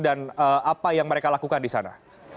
dan apa yang mereka lakukan di sana